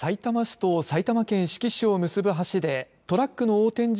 けさ、さいたま市と埼玉県志木市を結ぶ橋でトラックの横転